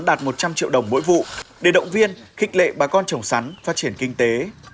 đạt một trăm linh triệu đồng mỗi vụ để động viên khích lệ bà con trồng sắn phát triển kinh tế